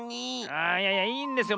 ああいやいやいいんですよ。